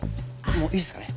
もういいですかね？